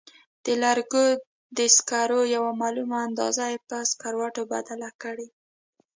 د لرګو د سکرو یوه معلومه اندازه په سکروټو بدله کړئ.